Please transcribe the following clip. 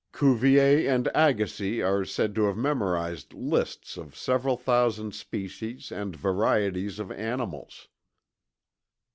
Cuvier and Agassiz are said to have memorized lists of several thousand species and varieties of animals.